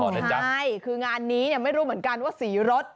ใช่คืองานนี้ไม่รู้เหมือนกันว่าสีรถ